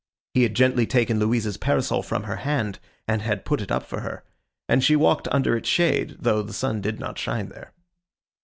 He had gently taken Louisa's parasol from her hand, and had put it up for her; and she walked under its shade, though the sun did not shine there.